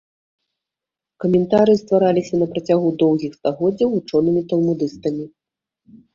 Каментарыі ствараліся на працягу доўгіх стагоддзяў вучонымі талмудыстамі.